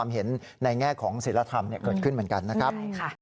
เมื่อไหร่ยังไงนะแต่ก็มีความคิด